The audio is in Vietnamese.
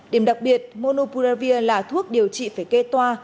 điểm đặc biệt monoprovir là thuốc điều trị phải kê toa